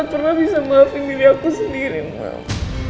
mbak kakak pernah bisa maafin diri aku sendiri mbak